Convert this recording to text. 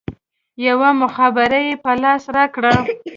يوه مخابره يې په لاس راکړه.